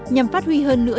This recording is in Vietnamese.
nhằm phát huy hơn nữa